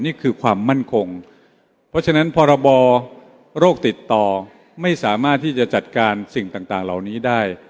นี่คือความมั่นคงเพราะฉะนั้นพรบโรคติดต่อไม่สามารถที่จะจัดการสิ่งต่างเหล่านี้ได้